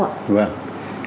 vâng như tôi vẫn nói